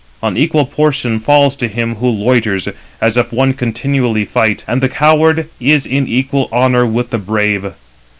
An equal portion [falls] to him who loiters, as if one continually fight; and the coward is in equal honour with the brave.